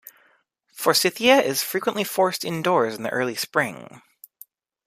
Forsythia is frequently forced indoors in the early spring.